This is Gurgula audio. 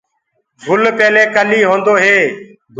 گُل پيلي ڪلي هوندو هي۔